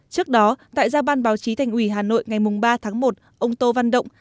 trước đó tại giao ban báo chí thành ủy hà nội ngày ba tháng một ông tô văn động